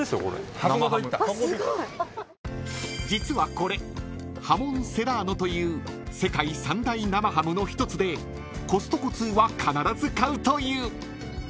［実はこれハモンセラーノという世界三大生ハムの一つでコストコ通は必ず買うという］